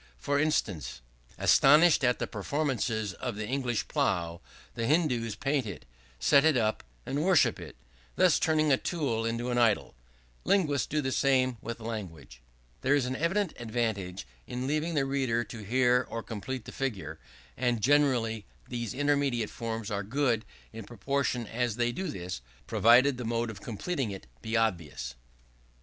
For instance: "Astonished at the performances of the English plow, the Hindoos paint it, set it up, and worship it; thus turning a tool into an idol: linguists do the same with language." There is an evident advantage in leaving the reader or hearer to complete the figure. And generally these intermediate forms are good in proportion as they do this; provided the mode of completing it be obvious.